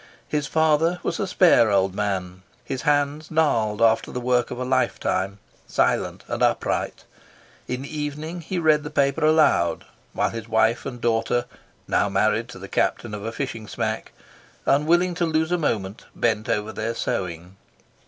His father was a spare old man, his hands gnarled after the work of a lifetime, silent and upright; in the evening he read the paper aloud, while his wife and daughter (now married to the captain of a fishing smack), unwilling to lose a moment, bent over their sewing.